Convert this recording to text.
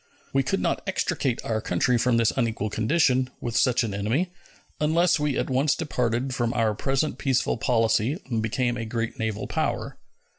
We could not extricate our country from this unequal condition, with such an enemy, unless we at once departed from our present peaceful policy and became a great naval power.